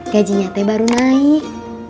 gajinya teh baru naik